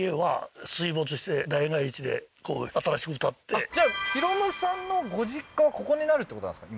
ほんでじゃあ弘さんのご実家はここになるってことなんですか？